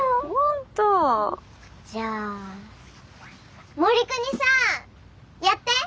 じゃあ護国さんやって。